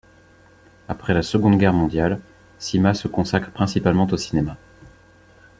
Après la Seconde Guerre mondiale, Sima se consacre principalement au cinéma.